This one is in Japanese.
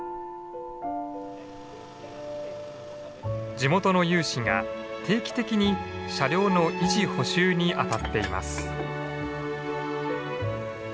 地元の有志が定期的に車両の維持補修にあたっています。